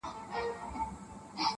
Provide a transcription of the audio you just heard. سپی ناجوړه سو او مړ سو ناګهانه-